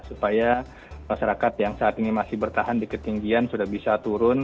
supaya masyarakat yang saat ini masih bertahan di ketinggian sudah bisa turun